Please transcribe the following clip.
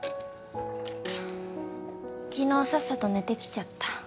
昨日さっさと寝てきちゃった。